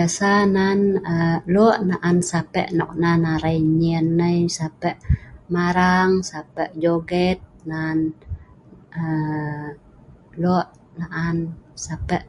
Usually there are many types of sape sounds.the ones we use to play are ngajat and joget2. There are many types of sape